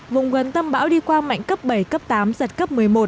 vùng gần tâm bão đi qua mạnh cấp bảy cấp tám giật cấp một mươi một